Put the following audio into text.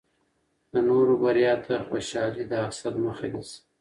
د نورو بریا ته خوشحالي د حسد مخه نیسي.